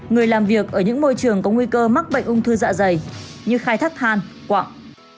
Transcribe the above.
người làm việc ở những môi trường có nguy cơ mắc bệnh ung thư dạ dày như khai thác than quặng